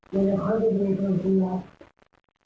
มันจะค่อยเป็นเรื่องของคุณครับ